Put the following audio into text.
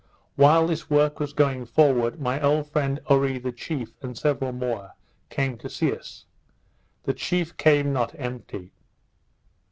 While this work was going forward, my old friend Oree the chief, and several more, came to see us. The chief came not empty.